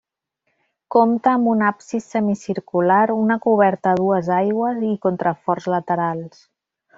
Compta amb un absis semicircular, una coberta a dues aigües i contraforts laterals.